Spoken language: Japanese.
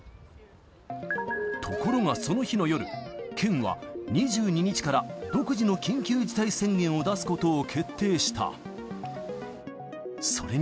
ところが、その日の夜、県は２２日から独自の緊急事態宣言を出すことを決定した。